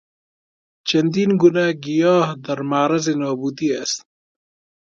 چندین گونه گیاه در معرض نابودی است.